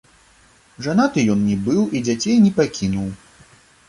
Жанаты ён не быў і дзяцей не пакінуў.